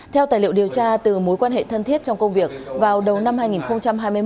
theo tài liệu điều tra từ mối quan hệ thân thiết trong công việc vào đầu năm hai nghìn hai mươi một